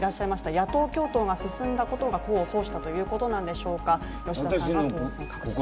野党共闘が進んだことが功を奏したということでしょうか。